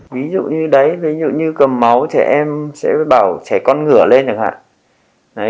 ví dụ như đấy ví dụ như cầm máu trẻ em sẽ bảo chảy con ngửa lên được hả